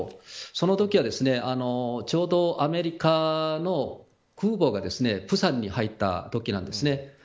そのときはちょうどアメリカの空母が釜山に入ったときなんです。